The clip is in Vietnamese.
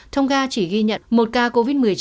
tôn nga chỉ ghi nhận một ca covid một mươi chín